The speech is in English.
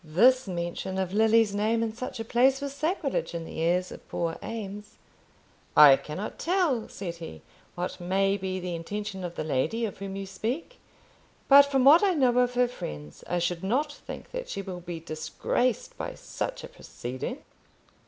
This mention of Lily's name in such a place was sacrilege in the ears of poor Eames. "I cannot tell," said he, "what may be the intention of the lady of whom you speak. But from what I know of her friends, I should not think that she will be disgraced by such a proceeding."